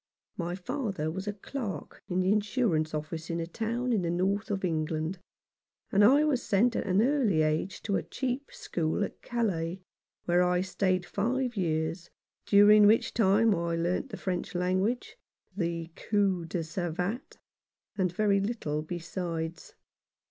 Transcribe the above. My father was a clerk in an insurance office in a town in the north of England, and I was sent at an early age to a cheap school at Calais, where I stayed five years, during which time I learnt the French language, the coup de savate, and very little besides.